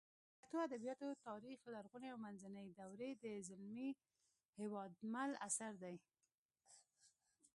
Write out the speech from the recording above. د پښتو ادبیاتو تاریخ لرغونې او منځنۍ دورې د زلمي هېوادمل اثر دی